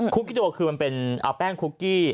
กี้โดคือมันเป็นเอาแป้งคุกกี้